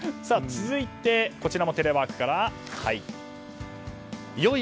続いてこちらもテレワークからです。